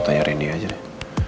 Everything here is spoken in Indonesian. tanya rendy aja deh